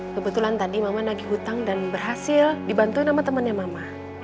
kebetulan tadi mama lagi hutang dan berhasil dibantuin sama temannya mama